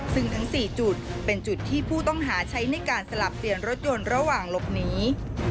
ซึ่งทั้ง๔จุดเป็นจุดที่ผู้ต้องหาใช้ในการสลับเซียนรถยนต์ระหว่างหลบหนี